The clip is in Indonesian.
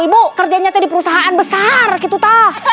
ibu kerjanya tadi perusahaan besar gitu ta